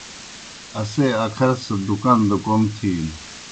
اسے اکھر سہ دُکان دہ کوْم تِھینوْ۔